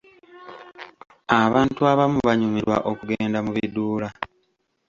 Abantu abamu banyumirwa okugenda mu biduula.